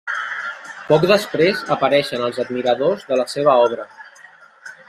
Poc després apareixen els admiradors de la seva obra.